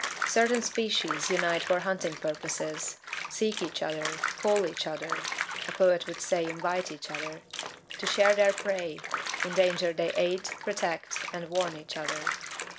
Certain species unite for hunting purposes, seek each other, call each other (a poet would say invite each other), to share their prey; in danger they aid, protect, and warn each other.